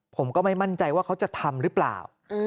ผมก็ไม่มั่นใจว่าเขาจะทำหรือเปล่า